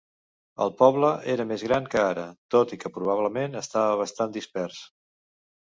El poble era més gran que ara, tot i que probablement estava bastant dispers.